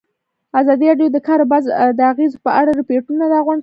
ازادي راډیو د د کار بازار د اغېزو په اړه ریپوټونه راغونډ کړي.